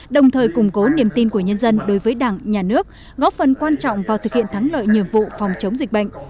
đồng thời củng cố niềm tin của nhân dân đối với đảng nhà nước góp phần quan trọng vào thực hiện thắng lợi nhiệm vụ phòng chống dịch bệnh